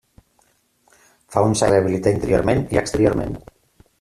Fa uns anys es va rehabilitar interiorment i exteriorment.